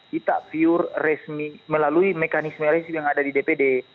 kita pure resmi melalui mekanisme resmi yang ada di dpd